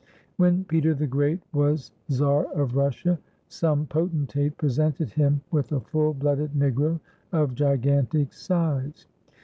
When Peter the Great was Czar of Russia, some potentate presented him with a full blooded Negro of gigantic size.